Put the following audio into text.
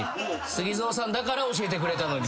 ＳＵＧＩＺＯさんだから教えてくれたのに。